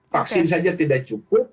vaksin saja tidak cukup